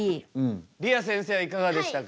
りあせんせいはいかがでしたか？